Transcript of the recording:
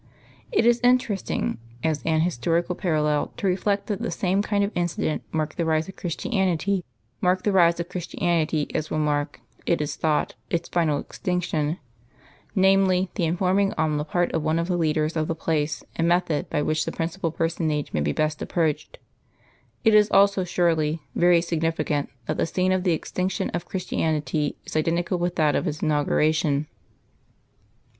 It is interesting as an historical parallel to reflect that the same kind of incident marked the rise of Christianity as will mark, it is thought, its final extinction namely, the informing on the part of one of the leaders of the place and method by which the principal personage may be best approached. It is also, surely, very significant that the scene of the extinction of Christianity is identical with that of its inauguration....